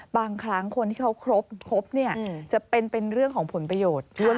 บางครั้งคนที่เขาครบจะเป็นเรื่องของผลประโยชน์